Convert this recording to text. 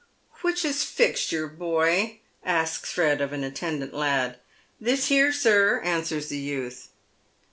" Which is Fixture, boy ?" asks Fred of an attendant lad. " This here, sir," answers the youth.